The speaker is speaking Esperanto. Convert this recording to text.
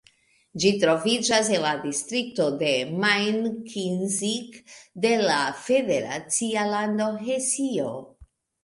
Ĝi troviĝas en la distrikto Main-Kinzig de la federacia lando Hesio.